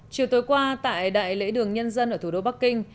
chiều tối qua tại đại lễ đường nhân dân ở thủ đô bắc kinh